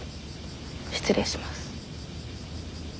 失礼します。